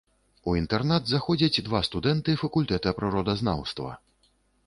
У інтэрнат заходзяць два студэнты факультэта прыродазнаўства.